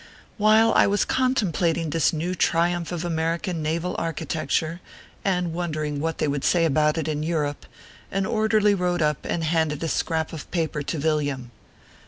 While I was contemplating this new triumph of American naval architecture, and wondering what they would say about it in Europe, an orderly rode up and handed a scrap of paper to Villiam.